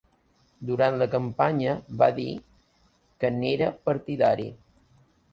Durant la campanya va dir que n’era partidari.